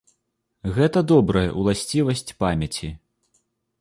Гэта добрая ўласцівасць памяці.